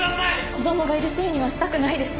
「子供がいるせいにはしたくないです」